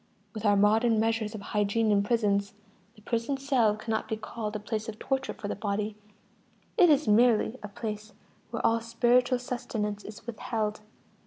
With our modern measures of hygiene in prisons, the prison cell cannot be called a place of torture for the body: it is merely a place where all spiritual sustenance is withheld.